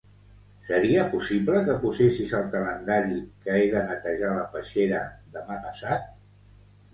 Seria possible que posessis al calendari que he de netejar la peixera demà passat?